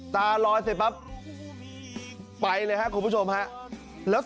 ตารอยเสร็จปั๊ป